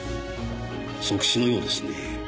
即死のようですね。